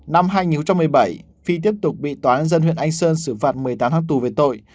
năm hai nghìn một mươi bảy phi tiếp tục bị tòa án nhân dân huyện anh sơn xử phạt một mươi tám hang tù về tội